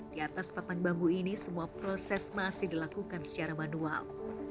di atas papan bambu ini semua proses masih dilakukan secara manual